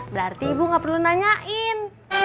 berarti ibu gak perlu nanyain